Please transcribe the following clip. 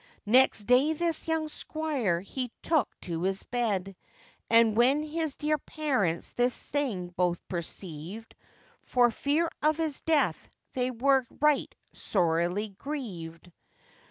Next day this young squire he took to his bed; And when his dear parents this thing both perceived, For fear of his death they were right sorely grieved.